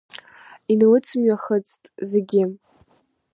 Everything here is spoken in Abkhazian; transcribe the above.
Инлыцмҩахыҵт зегьы.